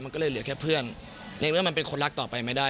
มันก็เลยเหลือแค่เพื่อนในเมื่อมันเป็นคนรักต่อไปไม่ได้